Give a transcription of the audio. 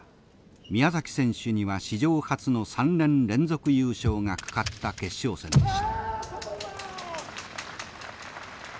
宮崎選手には史上初の３年連続優勝がかかった決勝戦でした。